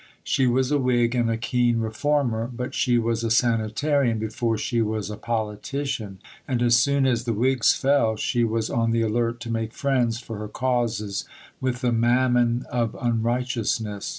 She was a Whig and a keen Reformer; but she was a sanitarian before she was a politician, and as soon as the Whigs fell she was on the alert to make friends for her causes with the mammon of unrighteousness.